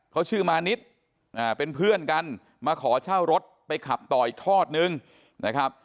เขาชื่อมานิดเป็นเพื่อนกันมาขอเช่ารถไปขับต่ออีกทอดนึงนะครับ